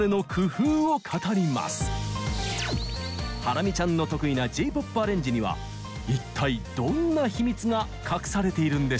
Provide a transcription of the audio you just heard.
ハラミちゃんの得意なＪ−ＰＯＰアレンジには一体どんな秘密が隠されているんでしょうか？